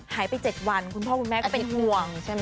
หายไป๗วันคุณพ่อคุณแม่ก็เป็นห่วงใช่ไหม